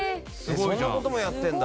そんな事もやってるんだ。